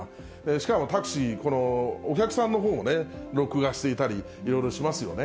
しかもタクシー、お客さんのほうも録画していたり、いろいろしますよね。